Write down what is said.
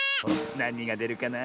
なにがでるかな？